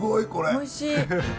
おいしい。